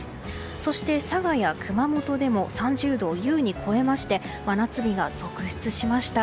そして、佐賀や熊本でも３０度を優に超えまして真夏日が続出しました。